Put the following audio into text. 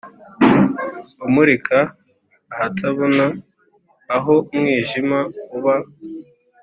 Umurika ahatabona Aho umwijima uba